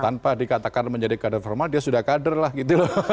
tanpa dikatakan menjadi kader formal dia sudah kader lah gitu